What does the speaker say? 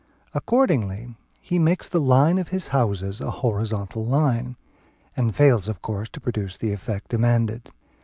Accordingly he makes the line of his houses a horizontal line, and fails of course to produce the effect demanded.